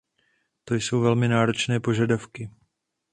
To jsou velmi náročné požadavky.